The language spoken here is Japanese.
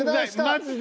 マジで。